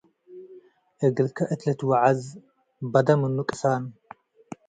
እግልከ እት ልትወዐዝ - በደ ምኑ ቅሳን፣